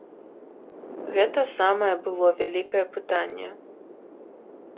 Гэта самае было вялікае пытанне.